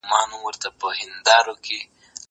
زه هره ورځ مځکي ته ګورم!!